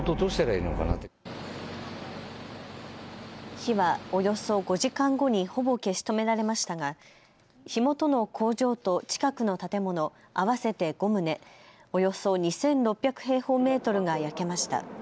火はおよそ５時間後にほぼ消し止められましたが火元の工場と近くの建物合わせて５棟およそ２６００平方メートルが焼けました。